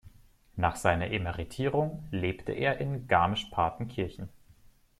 Nach seiner Emeritierung lebte er in Garmisch-Partenkirchen.